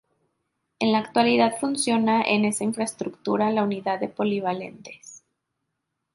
En la actualidad funciona en esa infraestructura la Unidad de Polivalentes.